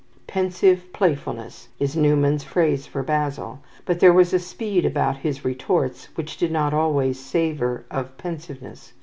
"Pensive playfulness" is Newman's phrase for Basil, but there was a speed about his retorts which did not always savour of pensiveness.